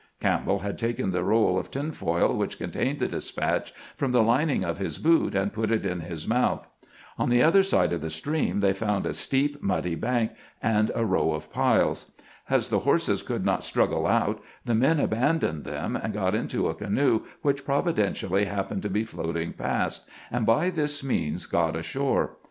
Campbell had taken the roll of tin foil which contained the despatch from the lining of his boot, and put it in his mouth. On the other side of AEEIVAL OF SHERIDAN'S SCOUTS 399 the stream they found a steep, muddy bank and a row of piles. As the horses could not struggle out, the men abandoned them, and got into a canoe which providen tially happened to be floating past, and by this means got ashore.